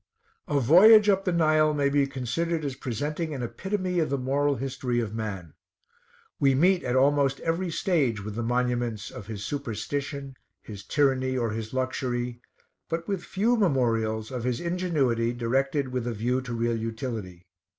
A voyage up the Nile may be considered as presenting an epitome of the moral history of man. We meet at almost every stage with the monuments of his superstition, his tyranny, or his luxury; but with few memorials of his ingenuity directed with a view to real utility.